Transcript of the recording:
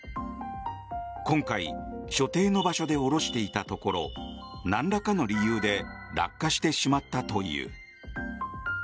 今回、所定の場所で下ろしていたところなんらかの理由で落下してしまったという。